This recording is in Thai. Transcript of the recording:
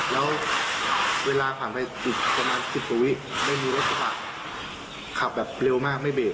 แล้วเวลาผ่านไปอีกประมาณสิบประวิกษ์ไม่มีรถสักขับแบบเร็วมากไม่เบรก